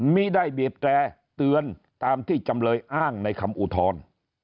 มีได้บีบแจเตือนตามที่จำเลยอ้างในคำอุดทอน